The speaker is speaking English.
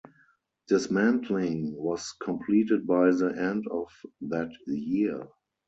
Dismantling was completed by the end of that year.